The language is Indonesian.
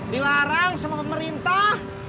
dilarang sama pemerintah